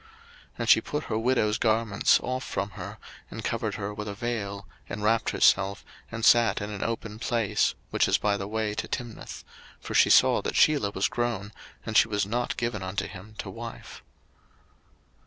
01:038:014 And she put her widow's garments off from her, and covered her with a vail, and wrapped herself, and sat in an open place, which is by the way to Timnath; for she saw that Shelah was grown, and she was not given unto him to wife.